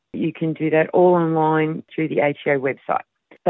anda bisa melakukan itu secara online melalui website ata